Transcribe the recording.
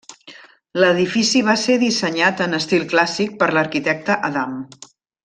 L'edifici va ser dissenyat en estil clàssic per l'arquitecte Adam.